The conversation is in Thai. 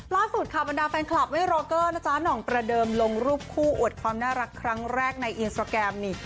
ล่าสุดค่ะบรรดาแฟนคลับเวโรเกอร์นะจ๊ะหน่องประเดิมลงรูปคู่อวดความน่ารักครั้งแรกในอินสตราแกรมนี่